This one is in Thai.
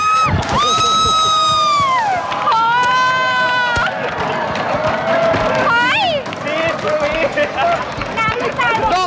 บี๊ถุรี